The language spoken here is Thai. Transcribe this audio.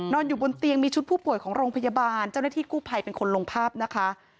อยู่บนเตียงมีชุดผู้ป่วยของโรงพยาบาลเจ้าหน้าที่กู้ภัยเป็นคนลงภาพนะคะ